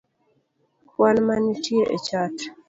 kwan manitie e chat?